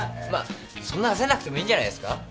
まあそんな焦んなくてもいいんじゃないですか？